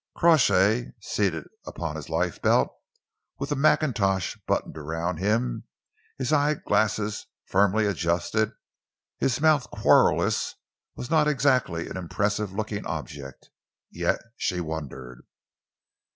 Crawshay, seated upon his lifebelt, with a mackintosh buttoned around him, his eyeglass firmly adjusted, his mouth querulous, was not exactly an impressive looking object. Yet she wondered.